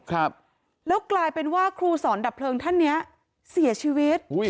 แล้วกลายเป็นว่าครูสอนดับเพลิงท่านนี้เสียชีวิต